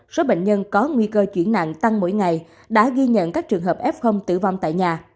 số bệnh nhân có nguy cơ chuyển nặng tăng mỗi ngày đã ghi nhận các trường hợp f tử vong tại nhà